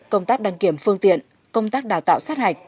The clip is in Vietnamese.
công tác đăng kiểm phương tiện công tác đào tạo sát hạch